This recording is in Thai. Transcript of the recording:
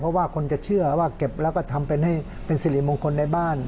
เพราะว่าคนจะเชื่อว่าเก็บแล้วก็ทำเป็นให้เป็นสิริมงคลในบ้าน